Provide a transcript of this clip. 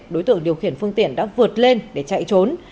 đối tượng điều khiển phương tiện đã vượt lên để chạy trốn